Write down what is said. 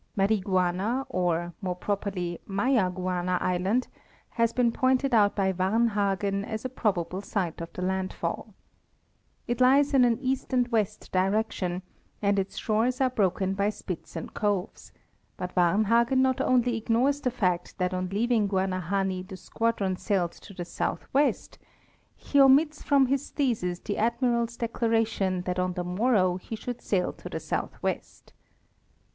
Mariguana or, more properly, Mayaguana island has been pointed out by Varnhagen as a probable site of the landfall. It lies in an east and west direction, and its shores are broken by spits and coves: but Varnhagen not only ignores the fact that on leaving Guanahani the squadron sailed to the southwest; he omits from his thesis the Admiral's declaration that on the mor row he should sail to the southwest.